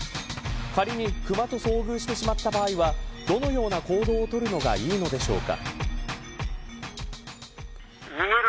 仮にクマと遭遇してしまった場合はどのような行動を取るのがいいのでしょうか。